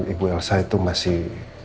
ibu elsa itu masih